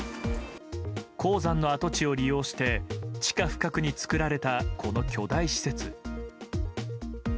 鉱山の跡地を利用して地下深くに作られたこの巨大施設。